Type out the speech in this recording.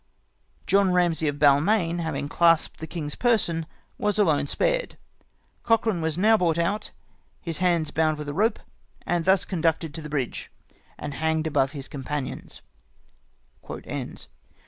John Eamsay of Balmain having clasped the king's person, was alone spared. Cochran was now brought out, his hands bound mth a rope, and thus conducted to the bridge, and hanged above his companions."